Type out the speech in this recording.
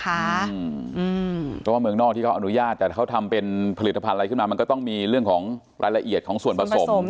เพราะว่าเมืองนอกที่เขาอนุญาตแต่เขาทำเป็นผลิตภัณฑ์อะไรขึ้นมามันก็ต้องมีเรื่องของรายละเอียดของส่วนผสม